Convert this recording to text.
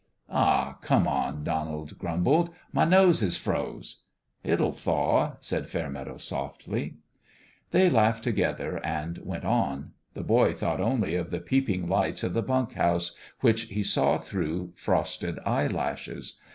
"Ah, come on!" Donnie grumbled; "my nose is froze." " It'll thaw," said Fairmeadow, softly. They laughed together and went on. The boy thought only of the peeping lights of the bunk house, which he saw through frosted eye lashes.